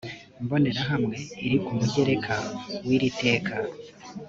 mbonerahamwe iri ku mugereka w iri teka